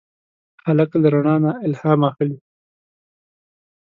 هلک له رڼا نه الهام اخلي.